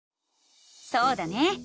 そうだね！